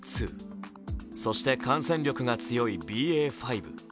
そして感染力が強いＢＡ．５。